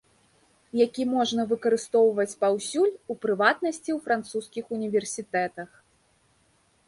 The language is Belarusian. Які можна выкарыстоўваць паўсюль, у прыватнасці ў французскіх універсітэтах.